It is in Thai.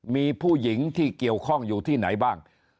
มีผู้หญิงที่เกี่ยวข้องอยู่ที่ไหนบ้าง